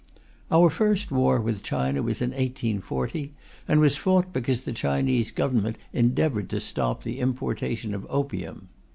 Our first war with China was in 1840, and was fought because the Chinese Government endeavoured to stop the importation of opium.